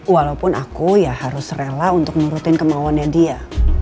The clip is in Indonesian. walaupun aku ya harus rela untuk nurutin kemauannya dia